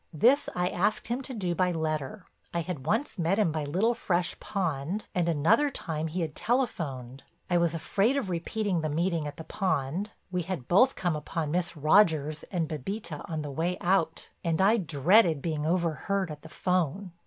This I asked him to do by letter. I had once met him by Little Fresh Pond, and another time he had telephoned. I was afraid of repeating the meeting at the pond—we had both come upon Miss Rogers and Bébita on the way out—and I dreaded being overheard at the 'phone.